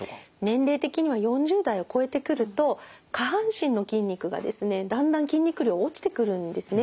年齢的には４０代を超えてくると下半身の筋肉がですねだんだん筋肉量落ちてくるんですね。